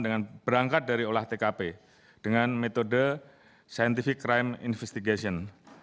dengan berangkat dari olah tkp dengan metode scientific crime investigation